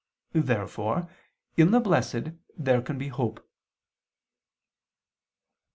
Therefore in the blessed there can be hope.